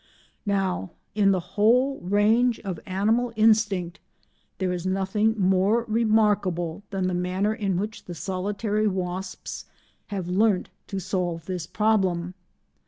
Now in the whole range of animal instinct there is nothing more remarkable than the manner in which the solitary wasps have learnt to solve this problem.